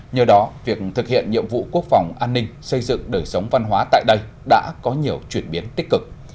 nhờ đó việc thực hiện nhiệm vụ quốc phòng an ninh xây dựng đời sống văn hóa tại đây đã có nhiều chuyển biến tích cực